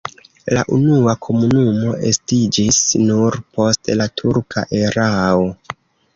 La unua komunumo estiĝis nur post la turka erao.